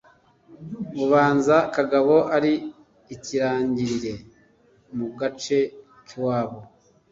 Ubanza kagabo ari ikirangirire mugace kiwabo.